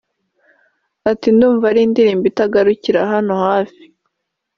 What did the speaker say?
Ati “ Ndumva ari indirimbo itagarukira hano hafi